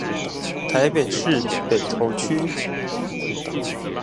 台北市北投區